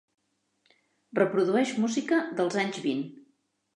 Reprodueix música dels anys vint